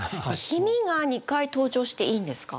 「君」が２回登場していいんですか？